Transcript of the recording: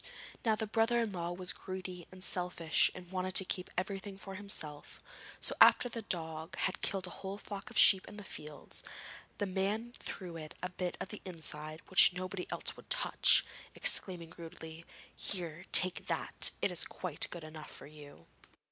Now the brother in law was greedy and selfish and wanted to keep everything for himself; so after the dog had killed a whole flock of sheep in the fields, the man threw it a bit of the inside which nobody else would touch, exclaiming rudely: 'Here, take that! It is quite good enough for you.'